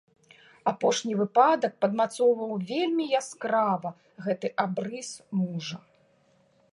Апошні выпадак падмацоўваў вельмі яскрава гэты абрыс мужа.